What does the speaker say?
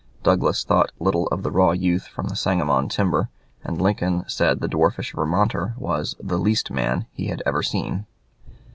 Douglas thought little of the raw youth from the Sangamon timber, and Lincoln said the dwarfish Vermonter was "the least man he had ever seen."